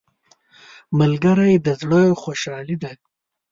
ملګری د زړه خوشحالي ده